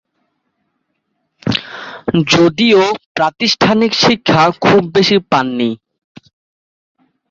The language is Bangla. যদিও প্রাতিষ্ঠানিক শিক্ষা খুব বেশি পাননি।